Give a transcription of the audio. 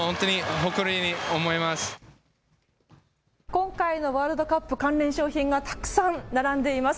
今回のワールドカップ関連商品がたくさん並んでいます。